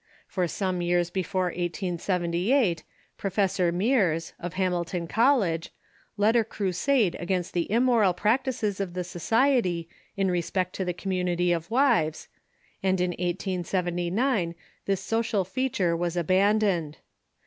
For some years before 1878, Professor jNIears, of Hamilton Col lege, led a crusade against the immoral practices of the society in respect to the community of wives, and in 1879 this social feature was abandoned.